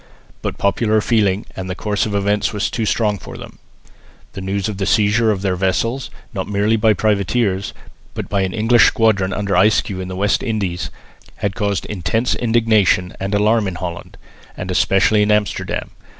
But popular feeling and the course of events was too strong for them. The news of the seizure of their vessels, not merely by privateers, but by an English squadron under Ayscue in the West Indies, had caused intense indignation and alarm in Holland, and especially in Amsterdam.